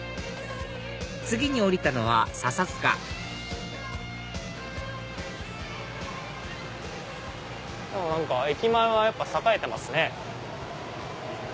次に降りたのは笹塚駅前はやっぱ栄えてますね。